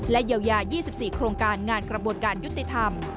เยียวยา๒๔โครงการงานกระบวนการยุติธรรม